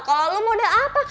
kalau lo model apa